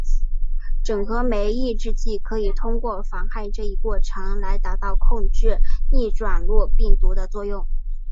整合酶抑制剂可以通过妨害这一过程来达到控制逆转录病毒的作用。